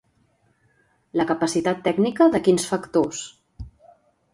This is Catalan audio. La capacitat tècnica de quins factors?